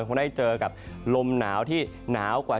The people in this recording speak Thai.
คงได้เจอกับลมหนาวที่หนาวกว่า